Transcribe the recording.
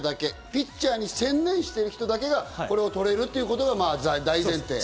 ピッチャーに専念してる人だけがこれを取れるということが大前提。